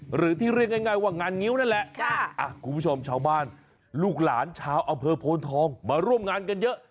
หรือที่เรียกง่ายว่างานงิ้วนั่นแหละคุณผู้ชมชาวบ้านลูกหลานชาวอำเภอโพนทองมาร่วมงานกันเยอะ